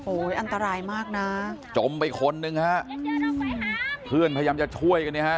โอ้โหอันตรายมากนะจมไปคนนึงฮะเพื่อนพยายามจะช่วยกันเนี่ยฮะ